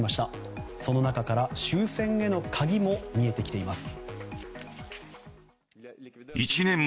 その中から終戦への鍵が見えてきています。